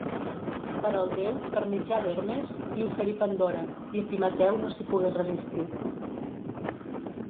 Però el déu, per mitjà d'Hermes, li oferí Pandora, i Epimeteu no s'hi pogué resistir.